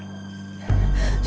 sudah kamu jangan membantah